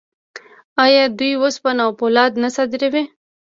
آیا دوی وسپنه او فولاد نه صادروي؟